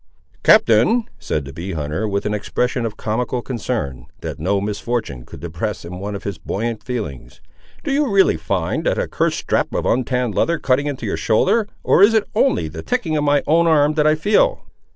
"Captain," said the bee hunter with an expression of comical concern, that no misfortune could depress in one of his buoyant feelings, "do you really find that accursed strap of untanned leather cutting into your shoulder, or is it only the tickling in my own arm that I feel?"